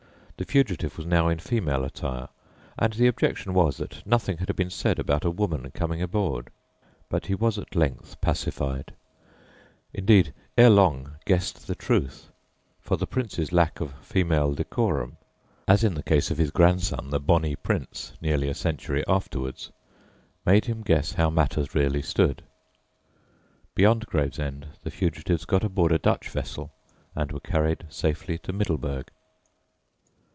The fugitive was now in female attire, and the objection was that nothing had been said about a woman coming aboard; but he was at length pacified, indeed ere long guessed the truth, for the Prince's lack of female decorum, as in the case of his grandson "the Bonnie Prince" nearly a century afterwards, made him guess how matters really stood. Beyond Gravesend the fugitives got aboard a Dutch vessel and were carried safely to Middleburg.